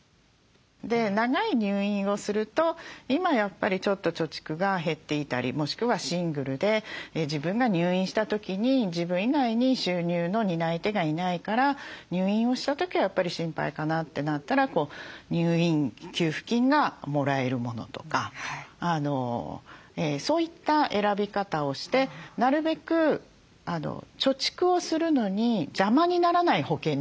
長い入院をすると今やっぱりちょっと貯蓄が減っていたりもしくはシングルで自分が入院した時に自分以外に収入の担い手がいないから入院をした時はやっぱり心配かなってなったら入院給付金がもらえるものとかそういった選び方をしてなるべく貯蓄をするのに邪魔にならない保険料。